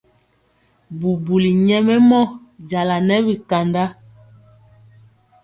Bubuli nyɛmemɔ jala nɛ bi kanda.